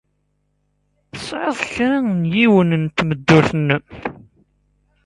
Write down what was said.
Tesɛid kra n yiwen n tmeddurt-nnem?